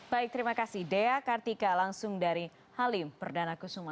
baik terima kasih dea kartika langsung dari halim perdana kusuma